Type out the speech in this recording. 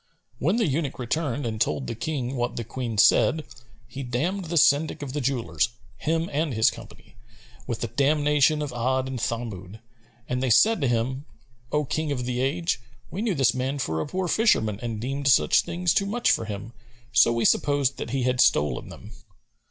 When the eunuch returned and told the King what the Queen said, he damned the Syndic of the jewellers, him and his company, with the damnation of Бd and Thamъd,[FN#249] and they said to him, "O King of the age, we knew this man for a poor fisherman and deemed such things too much for him,[FN#250] so we supposed that he had stolen them."